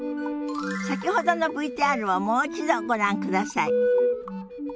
先ほどのＶＴＲをもう一度ご覧ください。